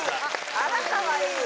あらかわいい！